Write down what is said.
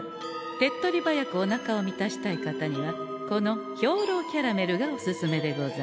手っ取り早くおなかを満たしたい方にはこの兵糧キャラメルがおすすめでござんす。